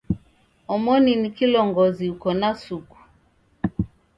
Omoni ni kilongozi uko na suku.